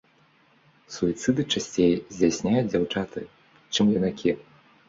Суіцыды часцей здзяйсняюць дзяўчаты, чым юнакі.